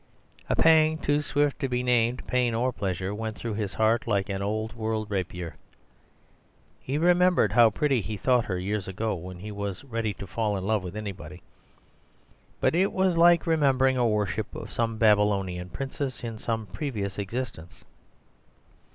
A pang too swift to be named pain or pleasure went through his heart like an old world rapier. He remembered how pretty he thought her years ago, when he was ready to fall in love with anybody; but it was like remembering a worship of some Babylonian princess in some previous existence.